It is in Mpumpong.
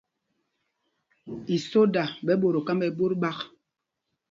Isoda í mbot o kámbɛl ɓot ɓák.